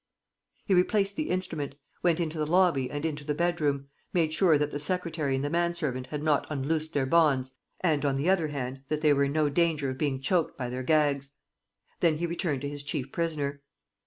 He replaced the instrument, went into the lobby and into the bedroom, made sure that the secretary and the manservant had not unloosed their bonds and, on the other hand, that they were in no danger of being choked by their gags. Then he returned to his chief prisoner.